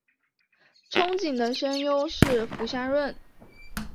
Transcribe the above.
憧憬的声优是福山润。